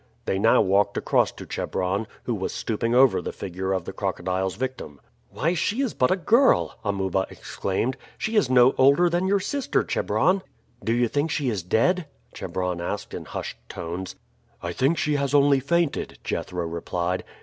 They now walked across to Chebron, who was stooping over the figure of the crocodile's victim. "Why, she is but a girl!" Amuba exclaimed. "She is no older than your sister, Chebron." "Do you think she is dead?" Chebron asked in hushed tones. "I think she has only fainted," Jethro replied.